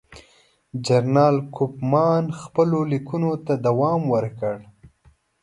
جنرال کوفمان خپلو لیکونو ته دوام ورکړ.